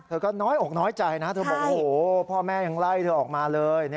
เธอก็น้อยอกน้อยใจนะพ่อแม่ยังไล่เธอออกมาเลย